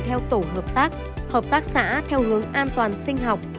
theo tổ hợp tác hợp tác xã theo hướng an toàn sinh học